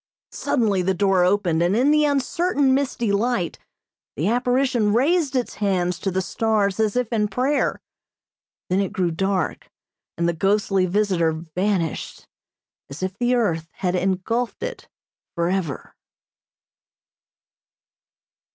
Suddenly the door opened and in the uncertain, misty light the apparition raised its hands to the stars as if in prayer, then it grew dark and the ghostly visitor vanished as if the earth had engulfed it forever.